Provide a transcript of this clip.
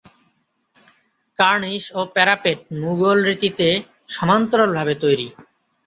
কার্নিশ ও প্যারাপেট মুগলরীতিতে সমান্তরালভাবে তৈরি।